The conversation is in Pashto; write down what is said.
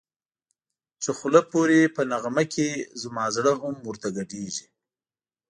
چی خوله پوری په نغمه کی زما زړه هم ورته گډېږی